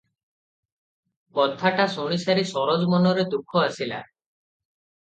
କଥାଟା ଶୁଣିସାରି ସରୋଜ ମନରେ ଦୁଃଖ ଆସିଲା ।